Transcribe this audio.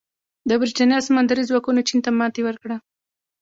د برېټانیا سمندري ځواکونو چین ته ماتې ورکړه.